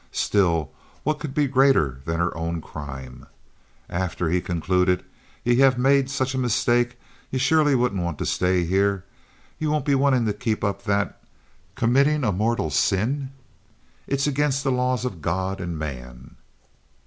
Still, what could be greater than her own crime? "After," he concluded, "ye have made such a mistake ye surely wouldn't want to stay here. Ye won't be wantin' to keep up that—committin' a mortal sin. It's against the laws of God and man."